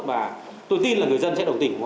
và tôi tin là người dân sẽ đồng tỉnh